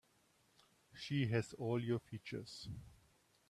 She has all your features.